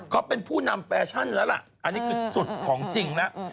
เขาเป็นผู้นำแฟชั่นแล้วล่ะอันนี้คือสุดของจริงแล้ว